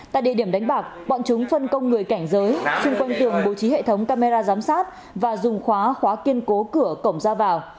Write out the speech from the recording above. tại địa điểm đánh bạc bọn chúng phân công người cảnh giới xung quanh tường bố trí hệ thống camera giám sát và dùng khóa khóa kiên cố cửa cổng ra vào